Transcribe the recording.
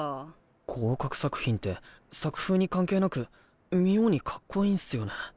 合格作品って作風に関係なく妙にかっこいいんすよね。